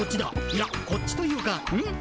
いやこっちというかうん？